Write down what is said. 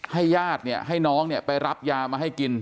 ให้ญาติให้น้องไปรับยามาให้กิน